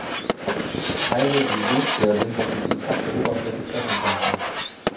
Teile, die so schwer sind, dass sie die intakte Oberfläche treffen könnten.